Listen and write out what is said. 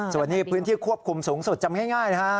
ส่วนนี้พื้นที่ควบคุมสูงสุดจำไม่ง่ายนะฮะ